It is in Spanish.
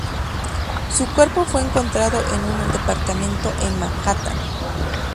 Su cuerpo fue encontrado en su departamento de Manhattan.